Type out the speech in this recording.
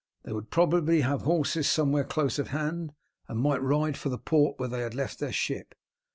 They would probably have horses somewhere close at hand, and might ride for the port where they had left their ship.